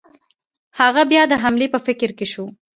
هغه بیا د حملې په فکر کې شو.